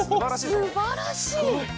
すばらしい。